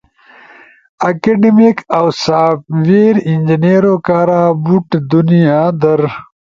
اکیڈمیک اؤ سافٹ ویر انجنیئرو کارا بُوٹ دنیا در